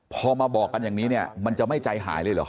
พอมาบอกกันอย่างนี้เนี่ยมันจะไม่ใจหายเลยเหรอ